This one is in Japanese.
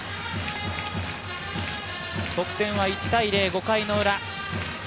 得点は１−０、５回のウラ。